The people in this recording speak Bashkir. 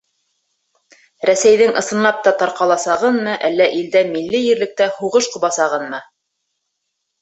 Рәсәйҙең ысынлап та тарҡаласағынмы, әллә илдә милли ерлектә һуғыш ҡубасағынмы?